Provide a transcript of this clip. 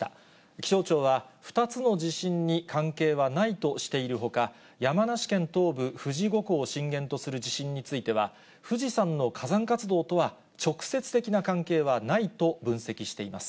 気象庁は、２つの地震に関係はないとしているほか、山梨県東部、富士五湖を震源とする地震については、富士山の火山活動とは、直接的な関係はないと分析しています。